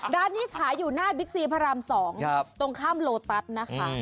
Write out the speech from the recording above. ร้านนี้ขายอยู่หน้าบิ๊กซีพระราม๒ตรงข้ามโลตัสนะคะ